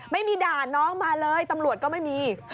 ไม่มีด่าน้องมาเลยตำรวจก็ไม่มี